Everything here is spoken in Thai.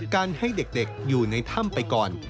การให้เด็กอยู่ในถ้ำไปก่อน